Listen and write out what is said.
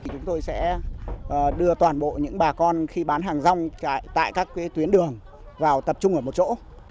chúng tôi sẽ đưa toàn bộ những bà con khi bán hàng rong tại các tuyến đường vào tập trung ở một chỗ